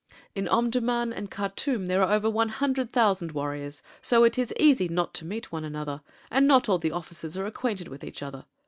In Omdurmân and Khartûm there are over one hundred thousand warriors, so it is easy not to meet one another, and not all the officers are acquainted with each other.